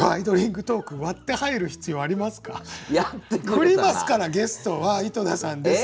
振りますから「ゲストは井戸田さんです」って。